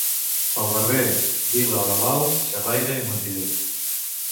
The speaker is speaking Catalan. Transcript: El barber, vila-alabau, xerraire i mentider.